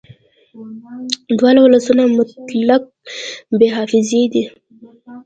دواړه ولسونه مطلق بې حافظې دي